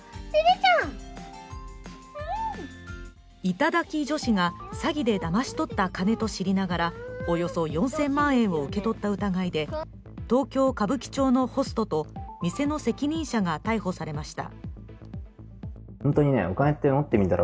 頂き女子が詐欺でだまし取った金と知りながらおよそ４０００万円を受け取った疑いで東京・歌舞伎町のホストと、店の責任者が逮捕されました。